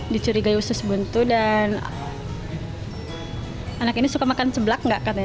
dicurigai usus buntu dan anak ini suka makan seblak nggak katanya